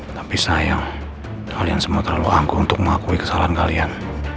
tapi sayang kalian semua terlalu angku untuk mengakui kesalahan kalian